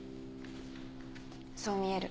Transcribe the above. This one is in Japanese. そう見える。